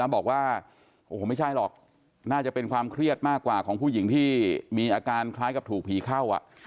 บอกว่าโอ้โหไม่ใช่หรอกน่าจะเป็นความเครียดมากกว่าของผู้หญิงที่มีอาการคล้ายกับถูกผีเข้า